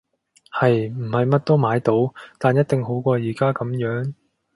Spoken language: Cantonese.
係！唔係乜都買到，但一定好過而家噉樣